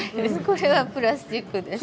これはプラスチックでしょ。